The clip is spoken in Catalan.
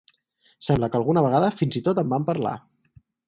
Sembla que alguna vegada fins i tot en van parlar.